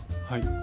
はい。